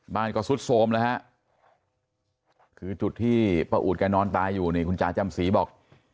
บ้านก็ซุดโทรมแล้วฮะคือจุดที่ป้าอูดแกนอนตายอยู่นี่คุณจ๋าจำศรีบอก